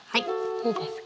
いいですか？